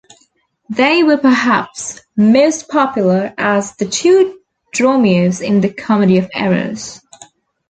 They were perhaps most popular as the two Dromios in "The Comedy of Errors".